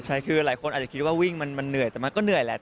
ใช่คือหลายคนอาจจะคิดว่าวิ่งมันเหนื่อยแต่มันก็เหนื่อยแหละ